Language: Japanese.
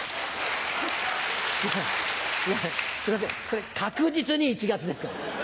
すいませんそれ確実に一月ですから。